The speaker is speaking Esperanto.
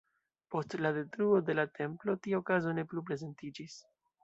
Post la detruo de la Templo tia okazo ne plu prezentiĝis.